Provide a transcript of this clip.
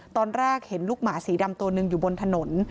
ตอนแรกเห็นลูกหมาสีดำตัวหนึ่งอยู่บนถนน